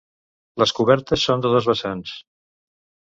Les cobertes són de dos vessants.